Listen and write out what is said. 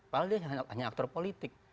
padahal dia hanya aktor politik